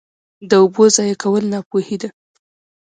د اوبو ضایع کول ناپوهي ده.